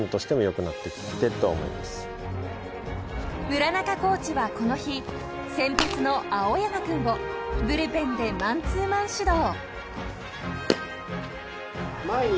［村中コーチはこの日先発の青山君をブルペンでマンツーマン指導］